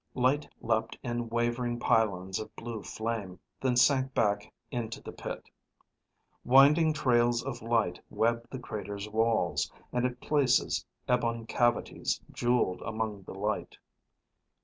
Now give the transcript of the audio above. Light leapt in wavering pylons of blue flame, then sank back into the pit. Winding trails of light webbed the crater's walls, and at places ebon cavities jeweled among the light.